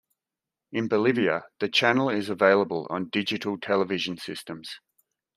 In Bolivia, the channel is available on digital television systems.